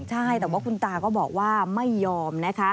ใช่แต่ว่าคุณตาก็บอกว่าไม่ยอมนะคะ